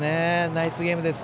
ナイスゲームです。